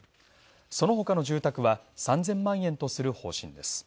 そのほかの住宅は３０００万円とする方針です。